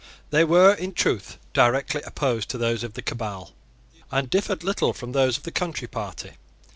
They were in truth directly opposed to those of the Cabal and differed little from those of the Country Party.